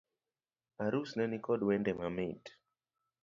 Arus ne nikod wende mamit